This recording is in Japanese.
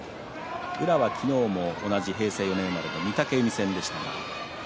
宇良は昨日も平成４年生まれの御嶽海戦でした。